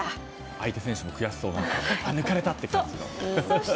相手選手も悔しそう抜かれたって。